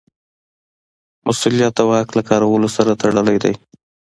مسوولیت د واک له کارولو سره تړلی دی.